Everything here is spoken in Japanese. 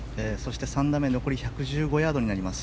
３打目は残り１１５ヤードになります。